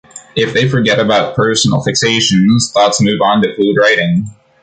If they forget about personal fixations, thoughts move on to fluid writing.